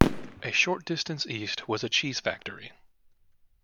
A short distance east was a cheese factory.